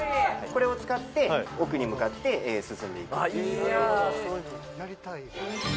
これを使って奥に向かって進んでいくいいなあ